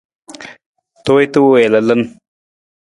Tuwiita wii lalan.